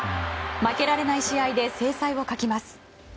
負けられない試合で精彩を欠きます。